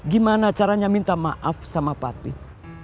gimana caranya minta maaf sama pati